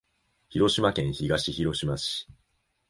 広島県東広島市